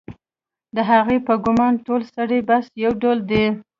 د هغې په ګومان ټول سړي بس یو ډول دي